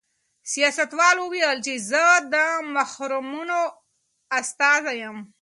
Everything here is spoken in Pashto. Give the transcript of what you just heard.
سیاستوال وویل چې زه د محرومانو استازی یم.